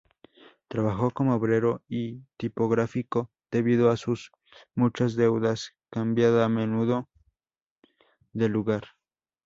Trabajó como obrero tipográfico; debido a sus muchas deudas, cambiaba a menudo de lugar.